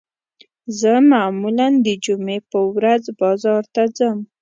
زه معمولاً د جمعې په ورځ بازار ته ځم